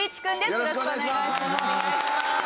よろしくお願いします。